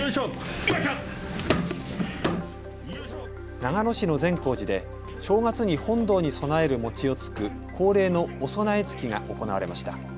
長野市の善光寺で正月に本堂に供える餅をつく恒例のおそなえつきが行われました。